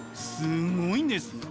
すごいんです。